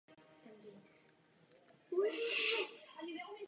Těsně po jeho dokončení v Bratislavě zemřel na v pořadí třetí srdeční infarkt.